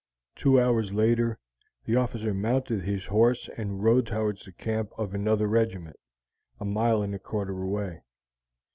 Two hours later the officer mounted his horse and rode towards the camp of another regiment, a mile and a quarter away.